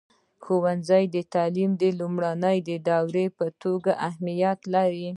ښوونځی د تعلیم د لومړني دور په توګه اهمیت لري.